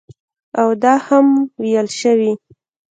او دا هم ویل شوي